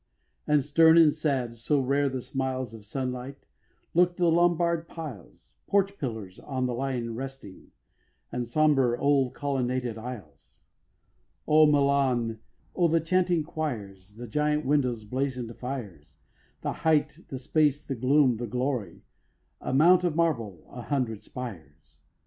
And stern and sad (so rare the smiles Of sunlight) look'd the Lombard piles; Porch pillars on the lion resting, And sombre, old, colonnaded aisles. O Milan, O the chanting quires, The giant windows' blazon'd fires, The height, the space, the gloom, the glory! A mount of marble, a hundred spires!